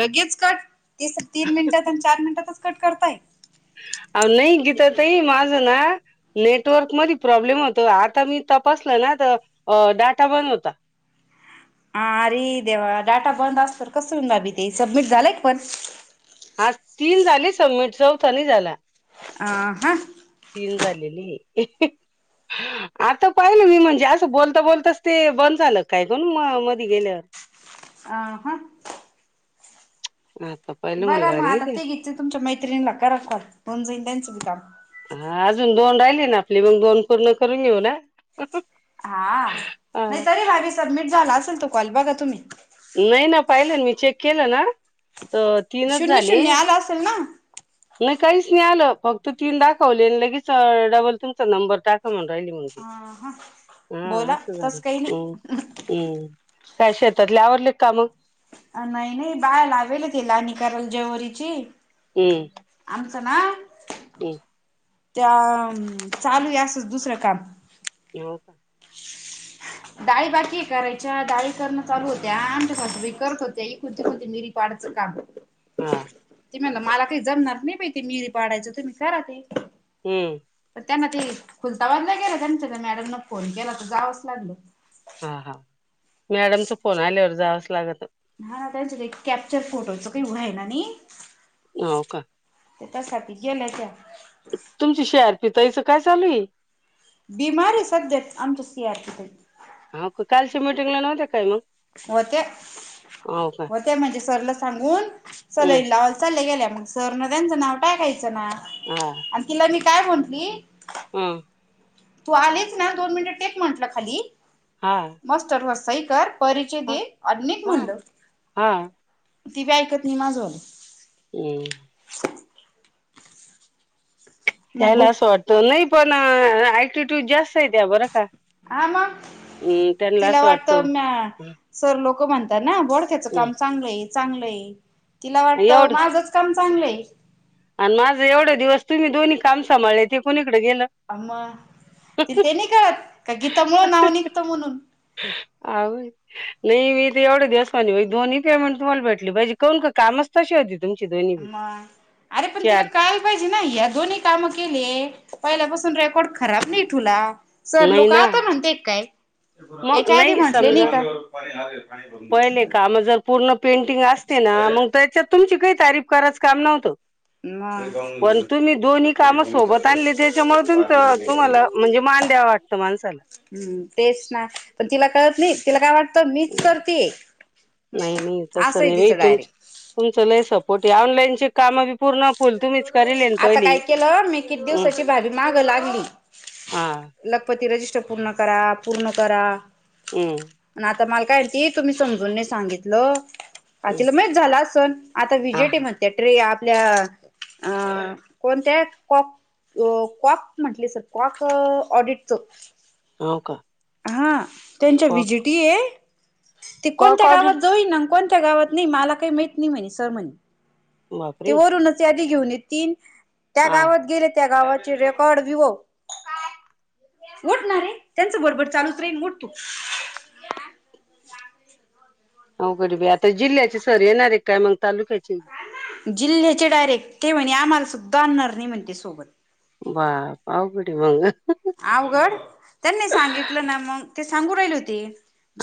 लगेच कट, ते तीन मिनिटात आणि चार मिनिटातच कट करताय? नाही गीताताई माझं ना, नेटवर्क मध प्रॉब्लेम होत आता मी तपासल ना आ डाटा बंद होता. ह अरे देवा डाटा बंद असत कस होईल भाभी ते सबमिट झालंय का पण. हा तीन झाले समिट चौथा नाही झाला. आ हा तीन झालेली आता पाहिलं मी म्हणजे असं बोलता बोलताच ते बंद झालं काय करण म मध गेल्या. आ हा [unintelligible] बघा मग अरे आता देवा ते घेत तुमच्या मैत्रिणीला करा कॉल होऊन जाईल त्यांचं बी काम. हा अजून दोन राहिली ना आपली, मग दोन पूर्ण करून घेऊ ना. हा नाही हा तरीे भाभी सबमिट झाला असेल तो कॉल बघा तुम्ही. नाही ना पाहिलंन मी चेक केलं ना तर तीनचं झाले. ता असंल ना? नाही काहीच नाही आलं, फक्त तीन दाखवले लगेच डबल तुमचा नंबर टाका म्हणून राहिली म्हणते. हा हा बोला तसं काही हम्म नाही. हम्म काय शेतातले आवरले कामं? अ नाही नाही बाया लावेले ते लानी करायला जेवरीची. हम्म. आमचं ना [unintelligible] त्या चालू आहे असंच दुसरं काम. येव का. डाळी बाकीय करायच्या. डाळी करणं चालू होत्या, आमच्या सासूबाई करत होत्या. इकूण तिकून त्या मिरी पाडचं काम. हा. ते म्हणलं मला काही जमणार नाही बाई ते मिरी पाडायचं तुम्ही करा ते. हम्म. तर त्यांना ते खुलताबादला गेल्या त्यांच्या त्या मॅडमनं फोन केला तर जावंच लागलं. हा हा मॅडमचा फोन आल्यावर जावंचं लागतं. हा ना त्यांच्या ते कॅप्चर फोटोचं काही व्हायनं नाही. होव का? ते त्यासाठी गेल्या त्या. तुमची सीआरपी ताईचं काय चालूय? बिमारे सध्यात आमच्या सीआरपी ताई. हाव का कालच्या मीटिंगला नव्हत्या काय मग? होत्या, हो का होत्या म्हणजे सरला सांगून हम्म सलाईन लावायला चालल्या गेल्या मंग. सरनं त्यांचं नाव टाकायचं ना. हा. आणि तिला मी काय बोलंती हा. तू आलीच ना दोन मिनिटं टेक म्हटलं खाली. हा. मस्टरवर सही कर परिचय हा दे अन निघ हा म्हणलं. हा ती बी ऐकत नाही माझं. हम्म. मग त्यायला बुक असं वाटतं नाही पण ऍटिट्यूड जास् तय त्या बरं का हा मग अम्म त्यानंला तिला असं वाटतं म्या सर लोक म्हणता ना बोडख्याचं हम्म काम चांगलंय चांगलंय, तिला वाटतं एवढे माझचं काम चांगलंय. आणि माझं एवढे दिवस तुम्ही दोन्ही काम सांभाळले ते कुणाकडं गेलं? अ मग तिला तेनी कळत का गीतामुळं नाव निघतं म्हणून. आव. नाही मी तर एवढ्या दिवस माझे बाई दोन्ही पेमेंट तुम्हाला भेटले पाहिजे कौन का कामचं तशे होते. तुमचे दोन्ही बी मग अरे पण तिला चार कळायला पाहिजे ना या दोन्ही कामं केले पहिल्यापासून रेकॉर्ड खराब नाही ठुला. सर लोकं आता म्हणतेय काय? म याच्या आधी नाही म्हंटले नाही समजा, का पण हे काम पहिले जर पूर्ण पेंटिंग अस- -तील ना मग त्यायच्यात तुमची काही तारीफ करायच काम नव्हतं. पण तुम्ही दोन्ही काम सोबत आणले. त्याच्यामुळ तुमचं तुम्हाला म्हणजे मान द्यावा वाट- -तो माणसाला. हम्म. तेच ना. पण तिला कळत नाही. तिला काय वाटतं मीच करतीये. नाही नाही तसं नाही बाई. तुमचं तुमचं लय सपोर्ट ए. ऑनलाईनचे- कामं बी पूर्ण फुल तुम्हीच करेल ए ना आता पहिले? काय केलं मी किती उं. दिवसाची भाभी मागं लागली आ. लखपती रजिस्टर पूर्ण करा. पूर्ण करा. हम्. अन आता मला काय म्हणती? तुम्ही समजून नाही सांगितलं. आता हम्म, तिला माहित झाल असलं. आता हा विजेट ए हा. म्हणत्या. ते आपल्या अ कोणत्या कॉक- अ कॉक म्हंटले सर. अं कॉक ऑडिटचं. हाव का? हां. त्यांच्या को- विजिटी ए. ते को- कोणत्या गावात कोऑर्डिनेट जोईना. कोणत्या गावात नी मला काही माहित नाही म्हणे. सर म्हणे ते बापरे वरूनच- यादी घेऊन येतील. त्या हा गावात गेले त्या गावाचे रेकॉर्ड विवो- उठ नारे. त्यांच बडबड चालूच राहील उठ तू. अवघड आहे बाई. आता जिल्ह्याचे सर येणार काय मग तालुक्याचे? जिल्ह्याचे डायरेक्ट. ते म्हणे ते आम्हाला सुद्धा आणणार नाही म्हणते सोबत. बाप. अवघड ए मंग. अवघड? त्यांनी सांगितलं ना मग. ते सांगू राहिले होते.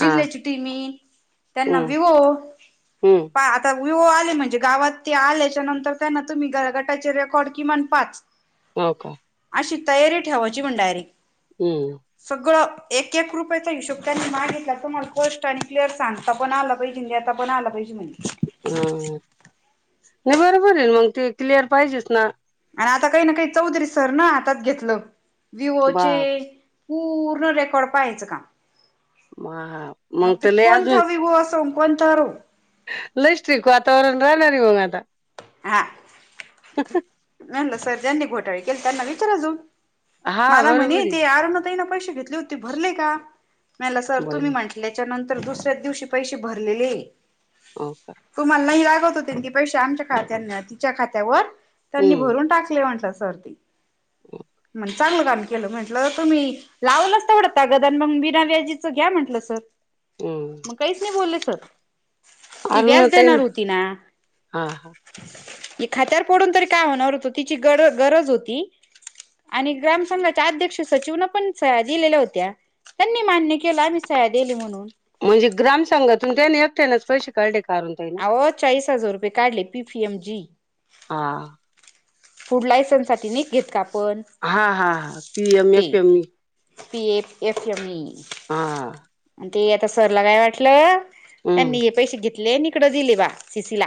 हा टीम येईल. त्यांना हम्म, विवो- हम्म त विवो आले म्हणजे गावात ते आल्याच्या नंतर त्यांना तुम्ही गर गटाचे रेकॉर्ड कीमान पाच- [inaudible] हो का? अशी तयारी ठेवायची म्हण डायरेक्ट. हम्म. सगळं एक एक रुपयेचा हिशोब त्यांनी मागितला. तुम्हाला स्पष्ट आणि क्लिअर सांग- -ता पण आला पाहिजे आन देता पण आला पाहिजे म्हणे. हं. नाही बरोबर ए. मंग ते क्लिअर पाहिजेच ना. आणि आता काही ना काही चौधरी सरन हातात घेतलं. बाप विवोचे- पूर्ण रेकॉर्ड पहायचं काम. माप. मग ते कोणथा विवो असो. अन कोणता रावो. लई स्ट्रिक्ट वातावरण राहणार आहे मंग आता. हां. म्हणलं सर ज्यांनी घोटाळे केले त्यांना विचारा जाऊन. हा मला म्हणे बरोबर आहे ते अरुणा ताईन पैसे घेतले होते. ते भरले का? मी म्हणलं सर बाई तुम्ही म्हटलं- -ल्याच्या नंतर दुसऱ्याच दिवशी पैसे भरलेले ए. हो का तुम्हाला नाही लागत होते ना ते - पैशे आमच्या खात्यां तिच्या खात्यावर. त्यांनी हम्म भरून टाकले म्हटलं सर ते. [unintelligible] म्हणे चांगलं काम केलं. म्हटलं तुम्ही- लावलंच तेवडं तगादा न मंग बिना व्याजीचं घ्या म्हंटलं सर. हम्. म काहीच नाही बोलले सर. ती अरुणा व्याज ताई न देणार होती ना. हा हा. खात्यावर पडून तरी काय होणार होत तिची ग गरज होती. आणि ग्राम संघाच्या अध्यक्ष, सचिवना पण सह्या दिलेल्या होत्या. त्यांनी मान्य केलं आम्ही सह्या देल हे म्हणून. म्हणजे ग्रामसंघातून त्याने एकटेनच पैसे काढले? का अरुणाताई ना अहो चाळीस हजार रुपये काढले पी फि एम जी. हा. फुड लायसन्ससाठी नाही घेत का आपण. हा हा हा P M F M E. P M F M E. हा आणि ते आता सरला काय वाटलं हम्म त्यांनी हे पैसे घेतले इकडं दिले बा सिसीला.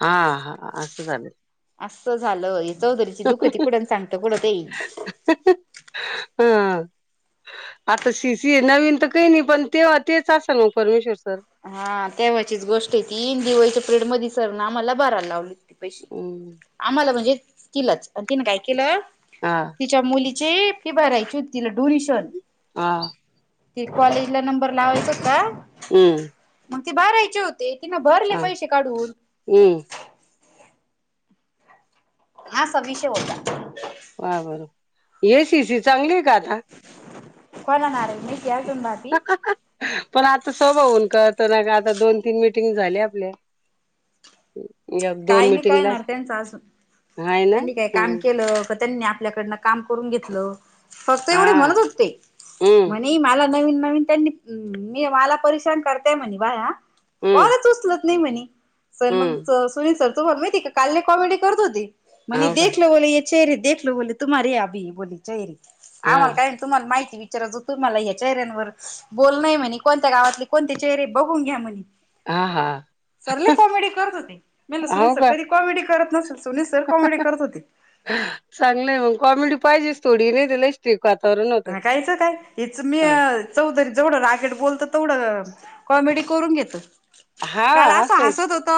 हा हा असं झाल. असं झालं जाऊद्या दुखणी कुठ काढणी कुठ [unintelligible] हा [unintelligible] आता सीसी नवीन तर काही नाही पण तेव्हा तेच असलं परमेश्वर सर? हा अ तेव्हाचीच गोष्ट आहे ती दिवाळीच्या प्रेड मधे सर आम्हाला भारायला लावल. पैसे आम्हाला म्हणजे तिलाच तिने काय केलं हा तिच्या मुलीचे फी भरायची होती ना डोनिशन हा ते कॉलेजला नंबर लावायचा होता. हम्म. मग ते भारायची होते तिन भरले हा पैसे काढून. हम्म. असा विषय होता. वा बर ए सी सी चालु होईन का आता? ओल नारळ घे की अजून भारी पण आता स्वभावरुन कळत ना ग आता दोन, तीन मिटिंग झाल्या आपल्या. एक, दोन काय नाही कळणार मिटिंगलाच त्यांचं अजून त्यांनी काय काम केलं का त्यांनी आपल्याकडन काम करून घेतलं फक्त एवढे हा म्हणत होते ते हम्म मी मला नवीन, नवीन त्यांनी मी मला परिश्रान करतेय म्हणे बाया हम्म कॉलच उचलत नाही म्हणे सर मग, हम्म सुनील सर तूम्हाला माहिती आहे का? काल लय कॉमेडी करत होते. म्हणे हो का देखलो बोले ते चेहेरे, देखलो बोले तुम्हारे हे ये अभी बोले चेहरे. हा आम्हाला काय तुम्हाला माहिती विचारायचं होत तुम्हाला या चेहऱ्यांवर बोल नाही म्हणे कोणत्या गावातले कोणते चेहरे बघून घ्या म्हणे. हा हा सर लय कॉमेडी करत होते. म्हणलं सुनील हो सर का कधी कॉमेडी करत नसल सुनील सर कॉमेडी करत होते. चांगलंय मग कॉमेडी पाहिजेस थोडी नाही तर लई ते वातावरण [unintelligible] धाकायच काय हेच मी हं. चौधरी जेवढं रागेट बोलतं तेवढं कॉमेडी करून घेत. हा काल असं आहे हसत होत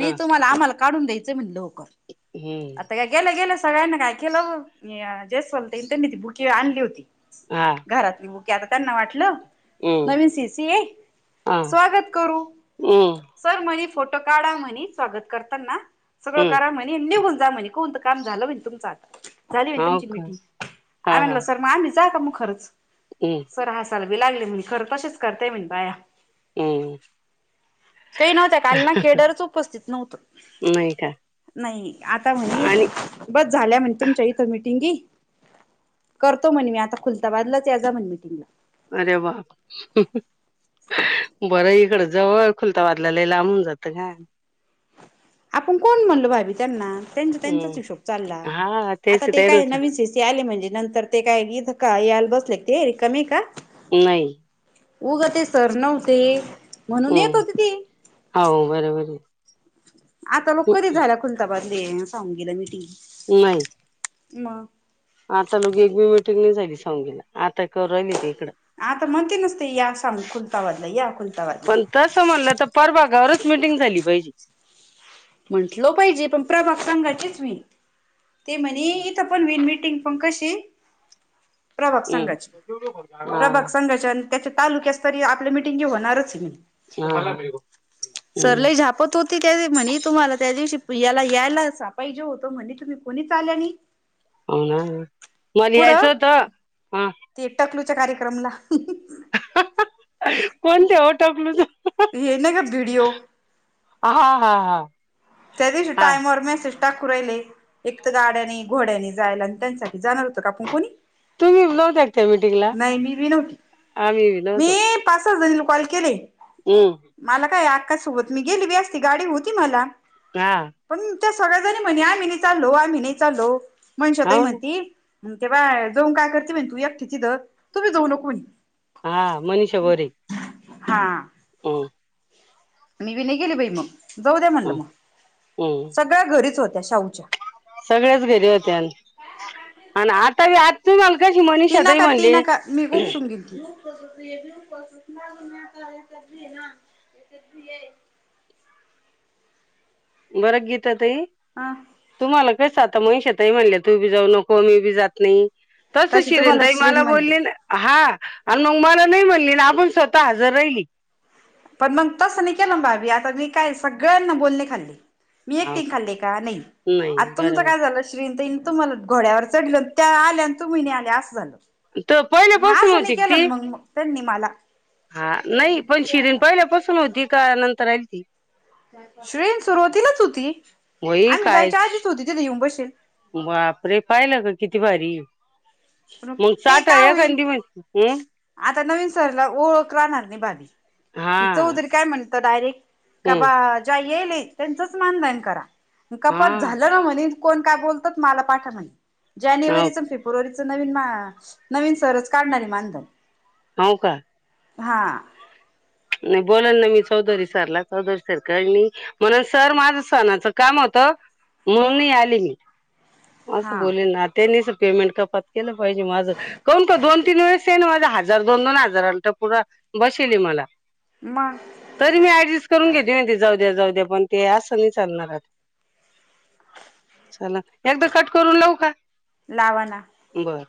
हा तुम्हाला आम्हाला काढून द्यायचं म्हणे लवकर. हम्म आता काय गेल्या, गेल्या सगळ्यांना काय केलं नी जेसवाल ताई त्यांनी ती बुके आणली होती हा घरातली बुके आता त्यांना वाटलं हम्म नवीन सी सी ये हा स्वागत करू हम्म सर म्हणे फोटो काढा म्हणे स्वागत करताना सगळं हम्म करा निघून जा म्हणे कोणत काम झालं बाई तुमचा. झाली हो तुमची का मीटिंग हा [unintelligible] हम्ं सर हसायल बी लागले म्हणे खरं तसेच करतेय म्हणे बाया. हम्म ते नव्ह त्या काल ना केडरच उपस्थित नव्हत. नाही का नाही आता आणि म्हणे बस झाल्या म्हणे तुमच्या इथं मिटिंग करतो म्हणे मी आता खुलताबादलाच या जा म्हणले. अरे वा! बरं इकडं जवळ खुलताबादला लय लांबून जातं काय आपण कोण म्हणलो भाभी त्यांना त्यांच त्यांचाच हम्म हिशोब चालला हा आता तेच ते काय ना नवीन ते आले म्हणजे नंतर ते काय इथं यायला बसले ते कमी आहे का. नाही उगं ते सर नव्हते म्हणून येत होते ते हाव बरोबर हे आता लोक कधी झाल्या खुलताबादले सांग गेला मिटिंग. नाही म आता लोघी एक मी मिटिंग नाही झाली सांगलीला आता कर राहिली त इकडं आता म्हणती नसते या स खुलताबादला या खुलताबादला पण तसं म्हणलं तर परभगावरच मिटिंग झाली पाहिजे. म्हंटल पाहिजे पण प्रभात कांगाचीच हो ते म्हणे इथ पण होल मिटिंग पण कशी प्रभाग संघाची हम्म हा प्रभाग संघाच्या तालुकास्तरीय आपली मिटींग ही होणारच नाही हा सर हम्म लय झापत होते. म्हणे तुम्हाला त्या दिवशी याला यायला सापाई जे होत म्हणे तुम्ही कोणी आल्या नाही. हो ना मले यायचं कुठं होतं हा ते टकलूच्या कार्यक्रमला कोणते ओ टकलु येन का बीडिओ हा हा हा त्या दिवशी हा टायमावर मेसेज टाकू राहिले एक तर गाड्याने घोड्याने जायला आणि त्यांसाठी जाणार होत का आपण कोणी तुम्ही बी नव्हता का त्या मिटिंगला नाही मी बी नव्हती आम्ही बी नवतो. मी पाच सहा जनींना कॉल केले. हम् मला काय आक्कासोबत मी गेली बी अस्ती गाडी होती मला हा पण त्या सगळ्याजणी म्हणे आम्ही नाही चालो आम्ही नाही चालो मनीषा तई हो ना म्हणती म्हण ते बाय जाऊन काय करते म तू एकटे तिथं तू बी जाऊ नको म्हंटली हा मनीषा भोरे. हा हम्म मी बी नय गेली बाई मग जाऊ द्या म्हणलं हम्म मग सगळ्या घरीच होत्या शाहूच्या सगळ्याच घरी होत्या. आण आण आता बी आत ती नका ती नका मी खूप सून घिती. ना [unintelligible] बर का गीता ताई हां, तुम्हाला कसं आता मनीषा ताई म्हणल्या तू बी जाऊ नको मी बी जात नाही. तस तशी शिरीन तुम्हाला ताई मला श्रीन म्हणली बोलली ना हा, आण मग मला नाही म्हणली न आपण स्वतः हजर राहिली. पण मग तसं नाही केलं भाबी, आता मी काय सगळ्यांना बोलणे खाल्ली. मी एकटीन खाल्ली का? नाही. आता नाही तुमचं काय बरोबर झालं शरीन ताईन तुम्हाला घोड्यावर चढल, अन त्या आल्या आण तुम्ही नही आल्या, असं झालं. तर म पहिल्यापासून असं नाही होती का ती केलं ना मग मग त्यांनी मला. हा. नाही पण शिरीन पहिल्यापासून होती का नंतर आलती? श्रेन सुरुवातीलाच होती. होई आमी काय जायच्या आधीच होती तिथे येऊन बसेल. बापरे! पाहिलं ना किती भारीये? पण मंग ते चहाटळ का होईल एखादी म्हण अं? आता नवीन सरला ओळख राहणार नाही भाबी. हा हि चौधरी काय म्हणतं डायरेक्ट का हम्म बा ज्या येईल त्यांचच मानधन करा. कपात हा झालं ना म्हने कोण काय बोलतात मला पाठा म्हणे. हो जानेवारीच न फेब्रुवारीच च नवीन मा नवीन सरच काढणार आहे मानधन. हाऊ का? हां. नाय बोलालय ना मी चौधरी सरला. चौधरी सर काय नही, म्हणल सर माझं सणाच काम होतं, म्हणून आले मी. असं हा बोलले ना. त्यांनीच पेमेंट कपात केलं पाहिजे माझं, कौन का दोन तीन वेळेस तेनी माजा हजार दोन दोन हजाराला टकूरा बसवले मला. म. तरी मी ऍडजस्ट करून घेते ना, जाऊ द्या जाऊ द्या. पण ते असं नाही चालणार अता. चला, एकदा कट करून लाऊ का? लावा ना. बरं.